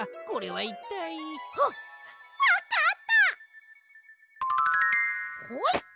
これはいったい？